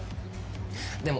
でも。